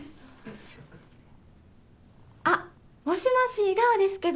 あもしもし井川ですけど。